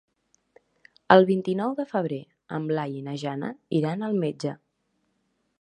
El vint-i-nou de febrer en Blai i na Jana iran al metge.